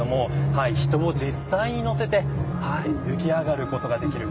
人を実際に乗せて浮き上がることができます。